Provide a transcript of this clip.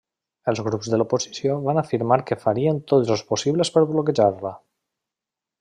Els grups de l'oposició van afirmar que farien tots els possibles per bloquejar-la.